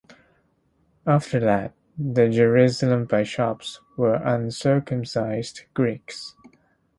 After that, the Jerusalem bishops were uncircumcised Greeks.